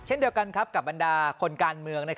เช่นเดียวกันกับบรรดาคนการเมือง